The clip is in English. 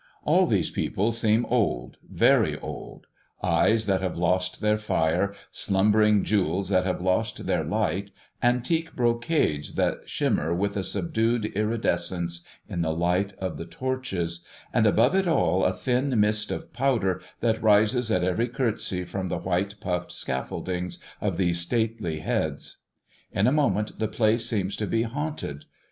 All these people seem old, very old, eyes that have lost their fire, slumbering jewels that have lost their light, antique brocades that shimmer with a subdued iridescence in the light of the torches, and above it all a thin mist of powder that rises at every courtesy from the white puffed scaffoldings of these stately heads. In a moment the place seems to be haunted.